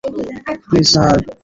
Please, sir.